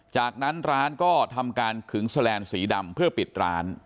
จากนั้นร้านก็ทำการขึงแสลนดสีดำเพื่อปิดร้าน